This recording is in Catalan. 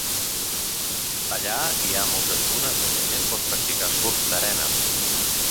Allà hi ha moltes dunes on la gent pot practicar surf d'arena.